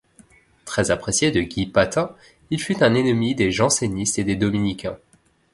Très apprécié de Guy Patin, il fut un ennemi des jansénistes et des dominicains.